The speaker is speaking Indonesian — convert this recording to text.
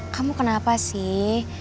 kamu kenapa sih